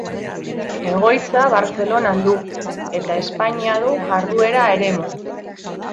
Egoitza Bartzelonan du, eta Espainia du jarduera eremu.